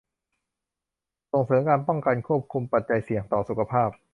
ส่งเสริมการป้องกันควบคุมปัจจัยเสี่ยงต่อสุขภาพ